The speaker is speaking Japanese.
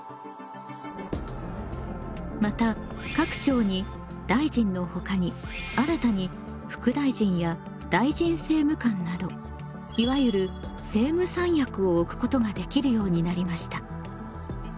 また各省に大臣のほかに新たに副大臣や大臣政務官などいわゆる政務三役を置くことができるようになりました。